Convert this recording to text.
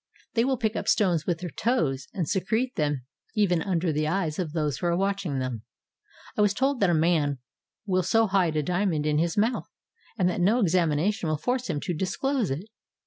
They will pick up stones with their toes and se crete them even under the eyes of those who are watch ing them. I was told that a man will so hide a diamond in his mouth that no examination will force him to disclose it.